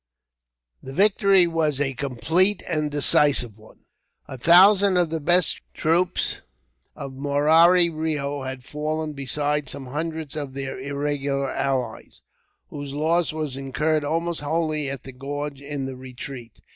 The victory was a complete and decisive one. A thousand of the best troops of Murari Reo had fallen, besides some hundreds of their irregular allies, whose loss was incurred almost wholly at the gorge in the retreat.